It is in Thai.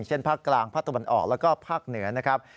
ภาคกลางภาคตะวันออกแล้วก็ภาคเหนือนะครับ